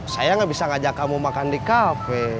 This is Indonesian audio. saya nggak bisa ngajak kamu makan di kafe